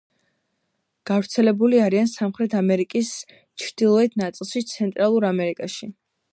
გავრცელებული არიან სამხრეთ ამერიკის ჩრდილოეთ ნაწილში, ცენტრალურ ამერიკაში.